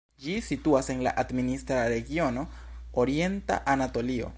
Ĝi situas en la administra regiono Orienta Anatolio.